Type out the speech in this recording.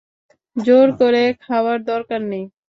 জোর করে খাওয়ার দরকার নেই।